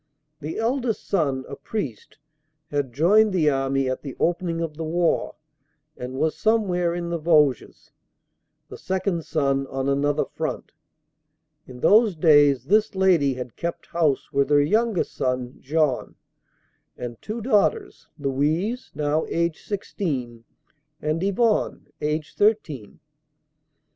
The eldest son, a priest, had joined the army at the opening of the war and was some where in the Vosges; the second son on another front. In those days this lady had kept house with her youngest son, Jean, and two daughters, Louise, now aged sixteen, and Yvonne, aged thirteen.